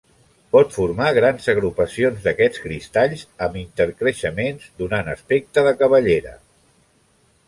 Pot formar grans agrupacions d'aquests cristalls amb intercreixements, donant aspecte de cabellera.